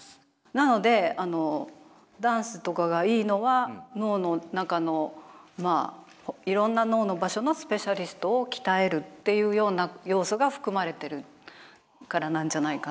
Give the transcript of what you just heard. なのでダンスとかがいいのは脳の中のいろんな脳の場所のスペシャリストを鍛えるっていうような要素が含まれてるからなんじゃないかなと思いますけど。